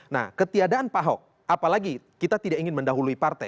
nah ketiadaan pak ahok apalagi kita tidak ingin mendahului partai